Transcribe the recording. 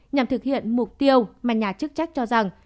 nhằm thực hiện mục tiêu mà nhà chức trách cho rằng